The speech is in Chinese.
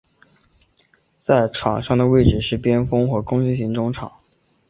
在场上的位置是边锋和攻击型中场。